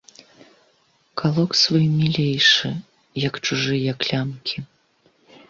Калок свой мілейшы, як чужыя клямкі.